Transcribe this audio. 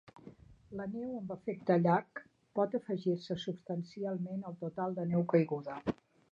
La neu amb efecte llac pot afegir-se substancialment al total de neu caiguda.